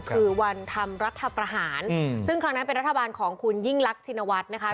คือวันทำรัฐประหารซึ่งครั้งนั้นเป็นรัฐบาลของคุณยิ่งรักชินวัฒน์นะคะ